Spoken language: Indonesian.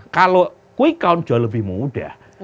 kalau quick count jauh lebih mudah